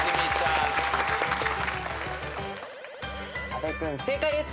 阿部君正解です。